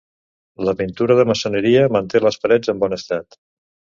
La pintura de maçoneria manté les parets en bon estat.